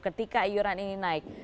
ketika iuran ini naik